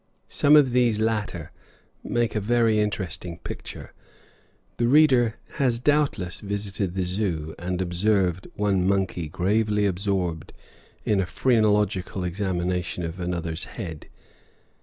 Some of these latter make a very interesting picture. The reader has doubtless visited the Zoo and observed one monkey gravely absorbed in a "phrenological examination" of another's head.